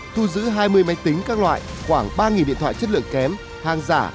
thu giữ hai mươi máy tính các loại khoảng ba điện thoại chất lượng kém hàng giả